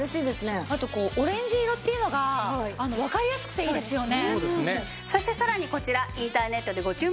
あとオレンジ色っていうのがわかりやすくていいですよね。